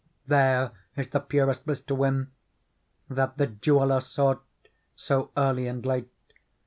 There is the purest bliss to win. That the jeweller sought so early and late.